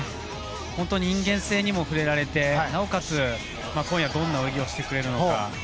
本当、人間性にも触れられてなおかつ、今夜どんな泳ぎをしてくれるのか。